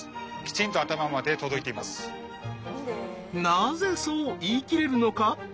なぜそう言いきれるのか？